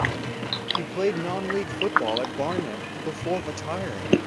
He played non league football at Barnet before retiring.